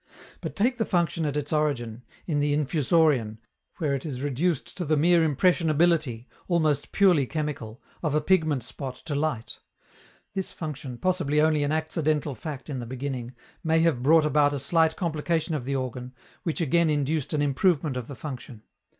But take the function at its origin, in the Infusorian, where it is reduced to the mere impressionability (almost purely chemical) of a pigment spot to light: this function, possibly only an accidental fact in the beginning, may have brought about a slight complication of the organ, which again induced an improvement of the function.